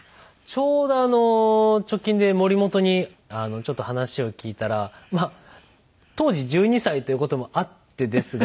ちょうどあの直近で森本にちょっと話を聞いたら当時１２歳という事もあってですが